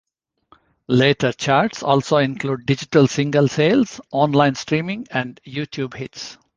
Later charts also include digital single sales, online streaming, and YouTube hits.